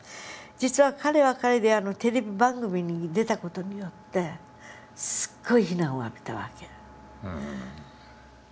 実は彼は彼であのテレビ番組に出た事によってすっごい非難を浴びたわけ。